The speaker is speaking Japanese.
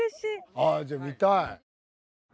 ああじゃあ見たい！